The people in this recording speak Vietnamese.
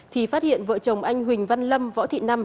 thì phát hiện vợ chồng anh huỳnh văn lâm võ thị năm